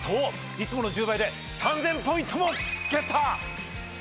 いつもの１０倍で３，０００ポイントもゲット！